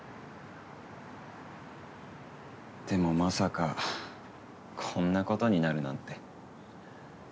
でもまさかこんな事になるなんて。